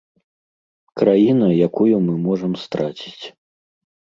Краіна, якую мы можам страціць.